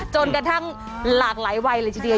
จนกระทั่งหลากหลายวัยเลยทีเดียว